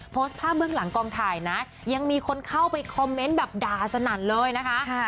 โพสต์ภาพเบื้องหลังกองถ่ายนะยังมีคนเข้าไปคอมเมนต์แบบด่าสนั่นเลยนะคะ